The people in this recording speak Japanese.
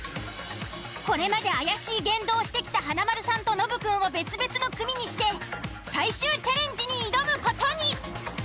これまで怪しい言動をしてきた華丸さんとノブくんを別々の組にして最終チャレンジに挑む事に。